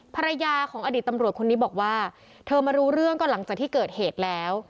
ภรรยาของอดีตตำรวจคนนี้บอกว่าเธอมารู้เรื่องก็หลังจากที่เกิดเหตุแล้ว